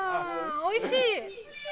おいしい？